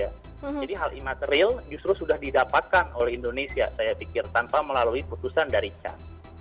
jadi hal imaterial justru sudah didapatkan oleh indonesia saya pikir tanpa melalui keputusan dari cas